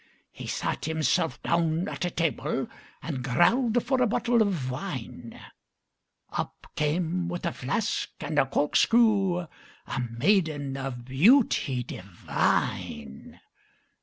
He sat himself down at a table, And growled for a bottle of wine; Up came with a flask and a corkscrew A maiden of beauty divine.